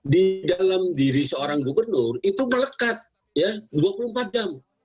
di dalam diri seorang gubernur itu melekat ya dua puluh empat jam